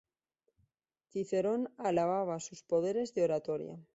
Cicerón alaba sus poderes de oratoria.